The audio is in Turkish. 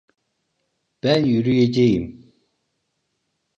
Ben yürüyeceğim.